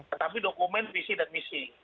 tetapi dokumen visi dan misi